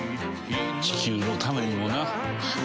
地球のためにもな。